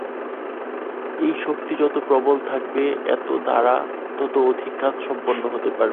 এই শক্তি যত প্রবল থাকবে, এর দ্বারা তত অধিক কাজ সম্পন্ন হতে পারবে।